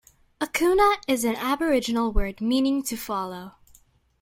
Akuna is an Aboriginal word meaning "to follow".